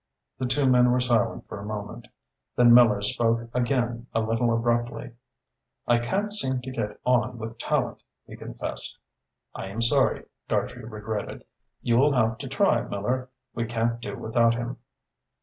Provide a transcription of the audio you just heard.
The two men were silent for a moment. Then Miller spoke again a little abruptly. "I can't seem to get on with Tallente," he confessed. "I am sorry," Dartrey regretted. "You'll have to try, Miller. We can't do without him."